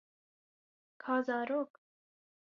Ka zarok.